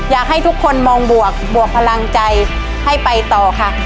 อยากให้ทุกคนมองบวกบวกพลังใจให้ไปต่อค่ะ